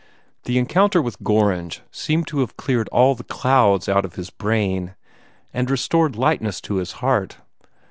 The encounter with Gorringe seemed to have cleared all the clouds out of his brain, and restored lightness to his heart.